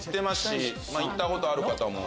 行ったことある方も？